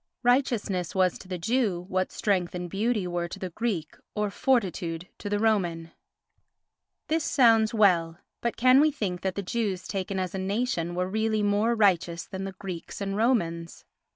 Righteousness was to the Jew what strength and beauty were to the Greek or fortitude to the Roman. This sounds well, but can we think that the Jews taken as a nation were really more righteous than the Greeks and Romans?